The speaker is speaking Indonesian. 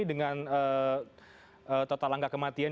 dengan total langkah kematian